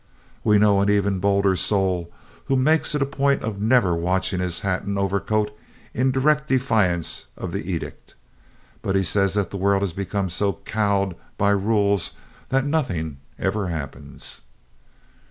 We know an even bolder soul who makes a point of never watching his hat and overcoat in direct defiance of the edict, but he says that the world has become so cowed by rules that nothing ever happens.